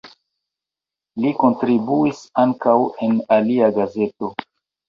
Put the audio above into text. Li kontribuis ankaŭ en alia gazeto.